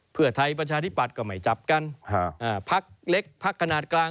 เพื่อไทยประชาธิปัตย์ก็ไม่จับกันพักเล็กพักขนาดกลาง